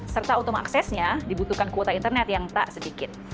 serta utama aksesnya dibutuhkan kuota internet yang tak sedikit